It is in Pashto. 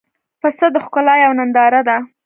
پسه د ښکلا یوه ننداره ده.